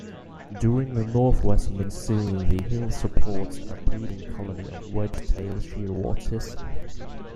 During the north-west monsoon, the hill supports a breeding colony of wedge-tailed shearwaters.